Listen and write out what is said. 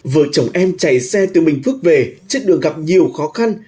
vợ chồng em chạy xe từ bình phước về trên đường gặp nhiều khó khăn